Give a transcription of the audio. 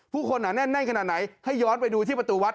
ผู้คนหนาแน่นขนาดไหนให้ย้อนไปดูที่ประตูวัด